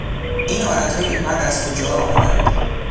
این عادتهای بد از کجا آمدهاند؟